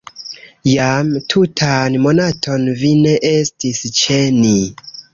Jam tutan monaton vi ne estis ĉe ni.